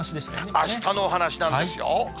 あしたのお話なんですよ。